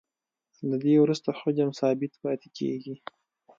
له دې وروسته حجم ثابت پاتې کیږي